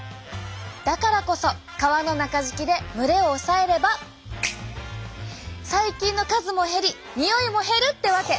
だからこそ革の中敷きで蒸れを抑えれば細菌の数も減りにおいも減るってわけ！